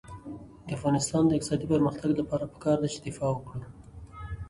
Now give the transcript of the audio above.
د افغانستان د اقتصادي پرمختګ لپاره پکار ده چې دفاع وکړو.